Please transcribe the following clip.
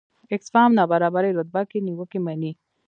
اکسفام نابرابرۍ رتبه کې نیوکې مني.